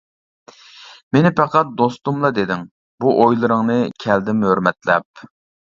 مېنى پەقەت دوستۇملا دېدىڭ، بۇ ئويلىرىڭنى كەلدىم ھۆرمەتلەپ.